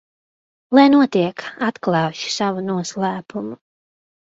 Lai notiek, atklāšu savu noslēpumu.